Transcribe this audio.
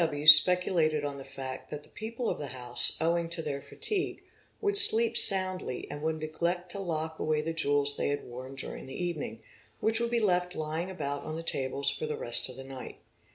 W. speculated on the fact that he people of the house, owing to their fatigue, would sleep soundly and 750 THEFT would neglect to lock away the jewels they had worn during the even ing, which would be left lying about on the tables for the rest of the night.